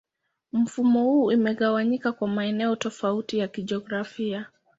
Mifumo hii imegawanyika kwa maeneo tofauti ya kijiografia.